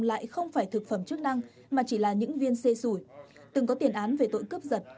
lại không phải thực phẩm chức năng mà chỉ là những viên xê sủi từng có tiền án về tội cướp giật